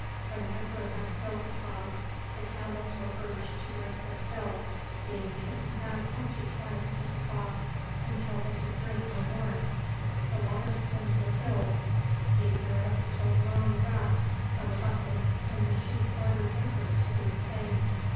When Edgar had filled the trough the camels were urged to drink their fill, being taken back once or twice to the trough, until they could drink no more. The water skins were filled, the Arabs took long draughts from a bucket, and the sheik ordered Edgar to do the same.